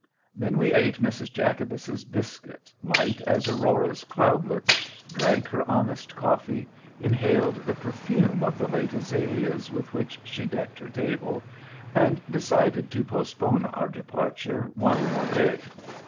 Then we ate Mrs. Jacobus's biscuit, light as Aurora's cloudlets, drank her honest coffee, inhaled the perfume of the late azaleas with which she decked her table, and decided to postpone our departure one more day.